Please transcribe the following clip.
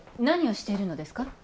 何をしているのですか？